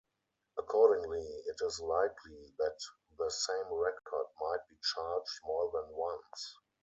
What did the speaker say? Accordingly, it is likely that the same record might be changed more than once.